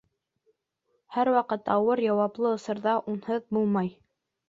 Һәр ваҡыт ауыр, яуаплы осорҙа унһыҙ булмай.